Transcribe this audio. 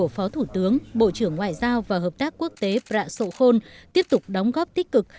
phó thủ tướng bộ trưởng ngoại giao và hợp tác quốc tế prasokhon tiếp tục đóng góp tích cực